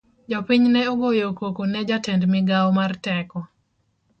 Jopiny ne ogoyo koko ne jatend migao mar teko.